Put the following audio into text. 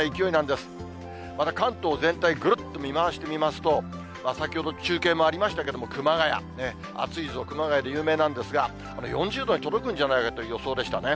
また関東全体、ぐるっと見回してみますと、先ほど中継もありましたけども、熊谷、暑いぞ熊谷で有名なんですが、４０度に届くんじゃないかという予想でしたね。